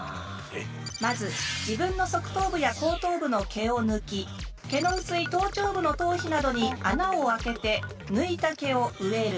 まず自分の側頭部や後頭部の毛を抜き毛の薄い頭頂部の頭皮などに穴を開けて抜いた毛を植える。